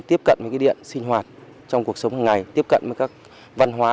tiếp cận với điện sinh hoạt trong cuộc sống hàng ngày tiếp cận với các văn hóa